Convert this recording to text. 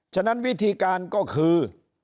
ฉะนั้นวิธีการก็คือ